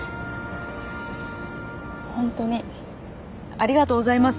ありがとうございます。